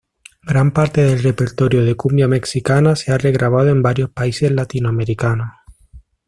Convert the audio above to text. Gran parte del repertorio de cumbia mexicana se ha regrabado en varios países latinoamericanos.